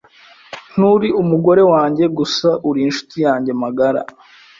Nturi umugore wanjye gusa. Uri inshuti yanjye magara.